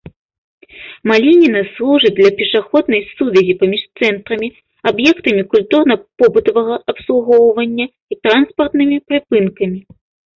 Малініна служыць для пешаходнай сувязі паміж цэнтрамі, аб'ектамі культурна-побытавага абслугоўвання і транспартнымі прыпынкамі.